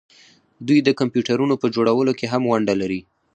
دوی د کمپیوټرونو په جوړولو کې هم ونډه لري.